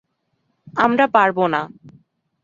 আমরা পারব না!